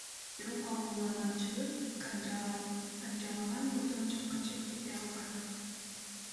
Бирок ал унаадан чыгып, канжалаган бойдон качып кете алган.